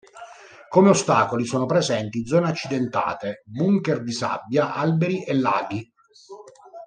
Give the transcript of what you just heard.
Come ostacoli sono presenti zone accidentate, bunker di sabbia, alberi e laghi.